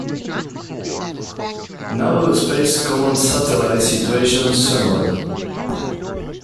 Naval Space Command Satellite Situation Summary.